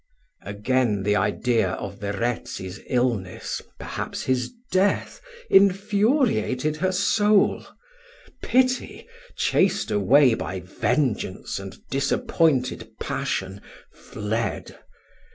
Again the idea of Verezzi's illness perhaps his death infuriated her soul. Pity, chased away by vengeance and disappointed passion, fled.